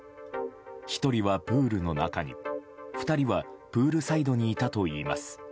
１人はプールの中に、２人はプールサイドにいたといいます。